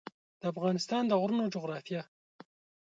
د افغانستان د غرونو جغرافیه